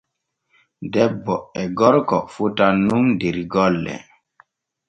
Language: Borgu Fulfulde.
Debbo e gorko fotan nun der golle.